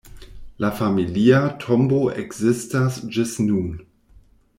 La familia tombo ekzistas ĝis nun.